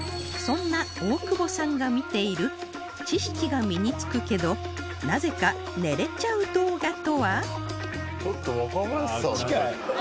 そんな大久保さんが見ている知識が身につくけどなぜか寝れちゃう動画とは？